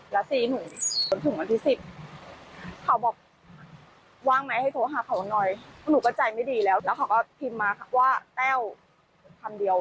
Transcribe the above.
แล้วเขาก็พิมพ์มาว่าแต้วคันเดียว